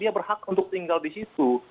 ya jadi berpuluh puluh tahun tinggal di sana